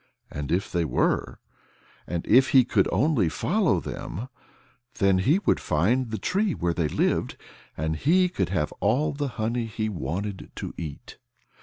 And if they were and if he could only follow them then he would find the tree where they lived and he could have all the honey he wanted to eat.